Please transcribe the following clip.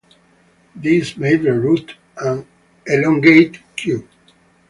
This made the route an elongated 'q'.